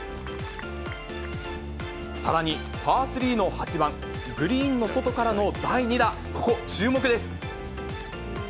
さらにパー３の８番、グリーンの外からの第２打、ここ、注目です。